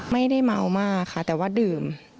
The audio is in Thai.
ไม่ได้เมามากค่ะแต่ว่าดื่ม